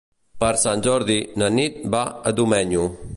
Per Sant Jordi na Nit va a Domenyo.